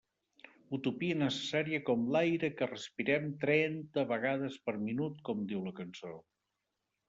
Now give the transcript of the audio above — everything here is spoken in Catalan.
Utopia necessària com l'aire que respirem trenta vegades per minut com diu la cançó.